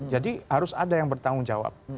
jadi harus ada yang bertanggung jawab